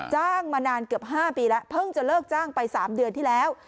จ้างมานานเกือบ๕ปีแล้วเพิ่งจะเลิกจ้างไป๓เดือนที่แล้ว